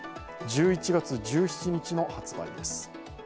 １１月１７日の発売です。